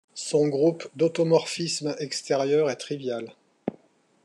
Son groupe d'automorphismes extérieurs est trivial.